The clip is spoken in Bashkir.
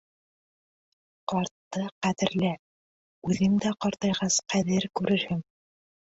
Ҡартты ҡәҙерлә, үҙең дә ҡартайғас ҡәҙер күрерһең.